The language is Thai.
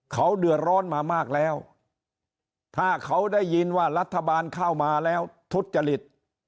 เขาเดือดร้อนมามากแล้วถ้าเขาได้ยินว่ารัฐบาลเข้ามาแล้วทุจริต